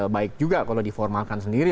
baik juga kalau diformalkan sendiri